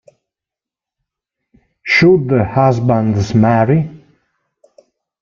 Should Husbands Marry?